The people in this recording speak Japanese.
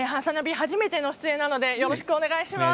初めての出演なのでよろしくお願いします。